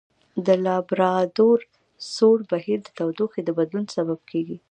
د لابرادور سوړ بهیر د تودوخې د بدلون سبب کیږي.